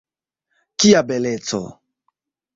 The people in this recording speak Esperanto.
Kia beleco!